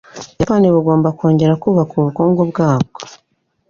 Ubuyapani bugomba kongera kubaka ubukungu bwabwo.